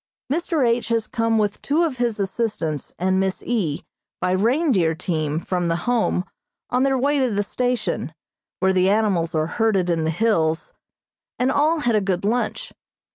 Mr. H. has come with two of his assistants and Miss E. by reindeer team from the Home on their way to the station, where the animals are herded in the hills, and all had a good lunch.